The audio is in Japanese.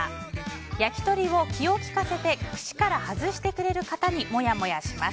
焼き鳥を気を利かせて串から外してくれる方にモヤモヤします。